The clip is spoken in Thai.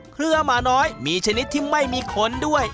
เพื่อหมาน้อยมีชนิดที่ไม่มีขนด้วย